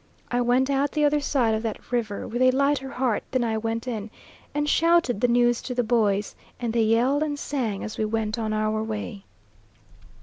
I went out the other side of that river with a lighter heart than I went in, and shouted the news to the boys, and they yelled and sang as we went on our way.